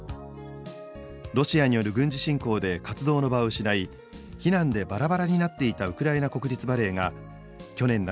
ロシアによる軍事侵攻で活動の場を失い避難でばらばらになっていたウクライナ国立バレエが去年夏